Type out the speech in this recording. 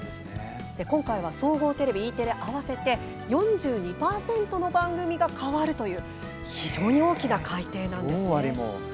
今回は総合テレビ、Ｅテレ合わせて４２％の番組が変わるという大きな改定なんですよ。